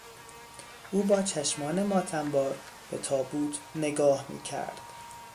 او با چشمان ماتم بار به تابوت نگاه میکرد.